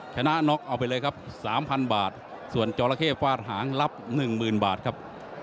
ชนะน็อกเอาไปเลยครับ๓๐๐บาทส่วนจอละเข้ฟาดหางรับ๑๐๐๐บาทครับ